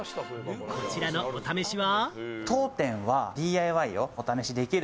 こちらのお試しは？